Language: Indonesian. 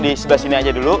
di sebelah sini aja dulu